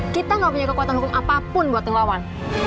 kita gak punya kekuatan hukum apapun buat ngelawan